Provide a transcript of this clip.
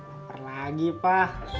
laper lagi pak